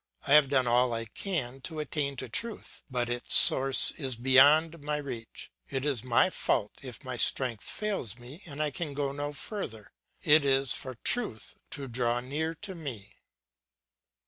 I have done all I can to attain to truth; but its source is beyond my reach; is it my fault if my strength fails me and I can go no further; it is for Truth to draw near to me.